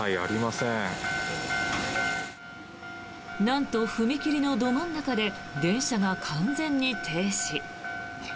なんと、踏切のど真ん中で電車が完全に停止。